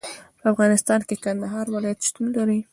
په افغانستان کې د کندهار ولایت شتون لري.